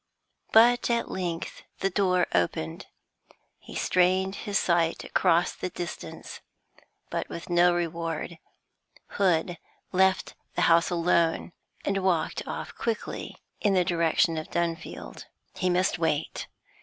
But at length the door opened. He strained his sight across the distance, but with no reward. Hood left the house alone, and walked off quickly in the direction of Dunfield. He must wait.